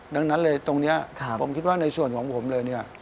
ดังนั้นเลยตรงนี้ผมคิดว่าในส่วนของผมเลยเนี่ย